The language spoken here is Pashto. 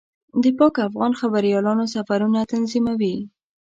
د پاک افغان خبریالانو سفرونه تنظیموي.